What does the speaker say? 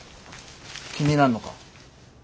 気になんのか？